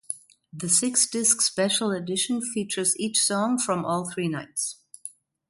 The six-disc special edition features each song from all three nights.